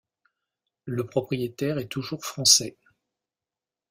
Le propriétaire est toujours français.